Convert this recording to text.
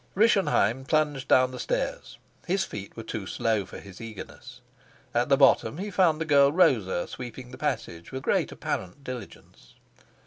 Rischenheim plunged down the stairs: his feet were too slow for his eagerness. At the bottom he found the girl Rosa sweeping the passage with great apparent diligence.